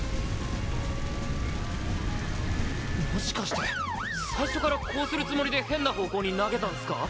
もしかして最初からこうするつもりで変な方向に投げたんすか？